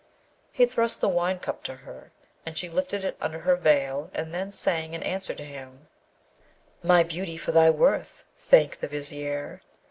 He thrust the wine cup to her, and she lifted it under her veil, and then sang, in answer to him: My beauty! for thy worth Thank the Vizier!